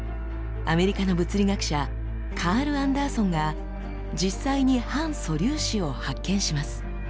アメリカの物理学者カール・アンダーソンが実際に反素粒子を発見します。